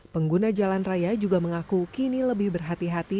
pengguna jalan raya juga mengaku kini lebih berhati hati